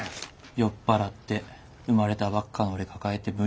酔っ払って生まれたばっかの俺抱えて無理心中。